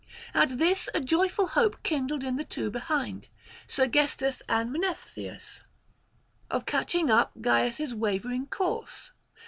At this a joyful hope kindled in the two behind, Sergestus and Mnestheus, of catching up Gyas' wavering course.